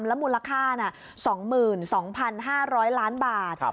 มูลค่า๒๒๕๐๐ล้านบาท